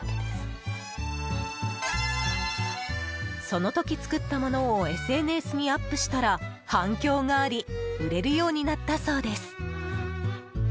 その時、作ったものをＳＮＳにアップしたら反響があり売れるようになったそうです。